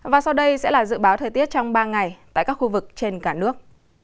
và sau đây sẽ là dự báo thời tiết trong ba ngày tại các khu vực trên cả nước